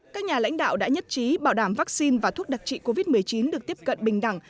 các nhà lãnh đạo đã nhất trí bảo đảm vaccine và thuốc đặc trị covid một mươi chín được tiếp cận bình đẳng